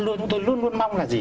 mà chúng ta luôn luôn mong là gì